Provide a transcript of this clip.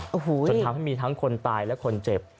โอ้โหจนทำให้มีทั้งคนตายและคนเจ็บ